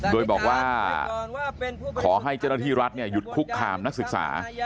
โดยบอกว่าขอให้เจ้าหน้าที่รัฐหยุดคุกคามนักศึกษา